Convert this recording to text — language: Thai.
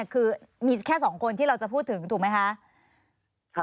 คือมีแค่๒คนที่เราจะพูดถึงถูกไหมคะ